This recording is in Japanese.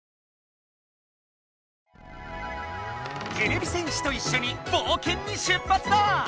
てれび戦士といっしょにぼうけんに出発だ！